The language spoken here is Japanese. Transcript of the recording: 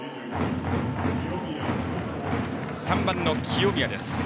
打席は３番の清宮です。